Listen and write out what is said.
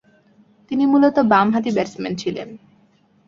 তিনি মূলতঃ বামহাতি ব্যাটসম্যান ছিলেন।